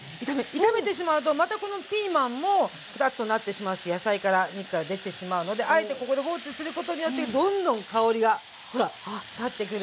炒めてしまうとまたこのピーマンもクタッとなってしまうし野菜から肉から出てしまうのであえてここで放置することによってどんどん香りがほら立ってくるので。